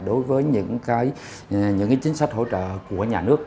đối với những chính sách hỗ trợ của nhà nước